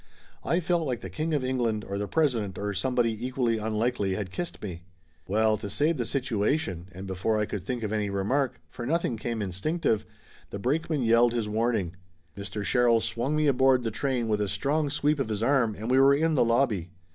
I felt like the King of England or the President or somebody equally un likely had kissed me. Well, to save the situation, and before I could think of any remark, for nothing came instinctive, the brake man yelled his warning, Mr. Sherrill swung me aboard the train with a strong sweep of his arm, and we were in the lobby.